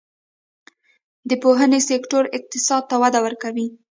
د پوهنې سکتور اقتصاد ته وده ورکوي